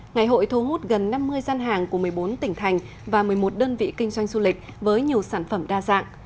ngày hội thu hút gần năm mươi gian hàng của một mươi bốn tỉnh thành và một mươi một đơn vị kinh doanh du lịch với nhiều sản phẩm đa dạng